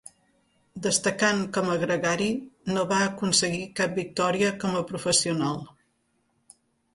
Destacant com a gregari, no va aconseguir cap victòria com a professional.